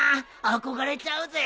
憧れちゃうぜ。